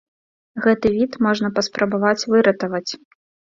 Гэты від можна паспрабаваць выратаваць.